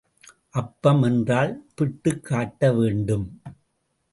அப்பம் என்றால் பிட்டுக் காட்ட வேண்டும்.